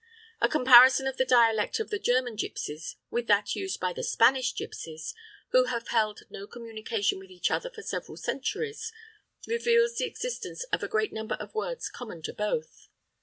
A comparison of the dialect of the German gipsies with that used by the Spanish gipsies, who have held no communication with each other for several centuries, reveals the existence of a great number of words common to both.